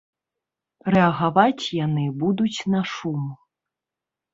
Рэагаваць яны будуць на шум.